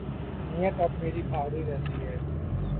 نیت اب میری بھری رہتی ہے